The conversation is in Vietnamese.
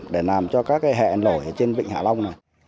để làm cho các hẹn lổi trên vịnh hà long